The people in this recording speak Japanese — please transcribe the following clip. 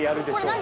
何？